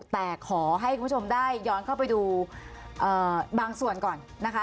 แต่ขอให้คุณผู้ชมได้ย้อนเข้าไปดูบางส่วนก่อนนะคะ